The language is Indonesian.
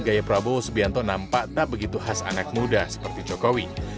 gaya prabowo subianto nampak tak begitu khas anak muda seperti jokowi